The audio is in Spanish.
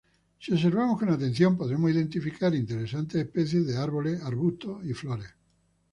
Si observamos con atención podremos identificar interesantes especies de árboles, arbustos y flores.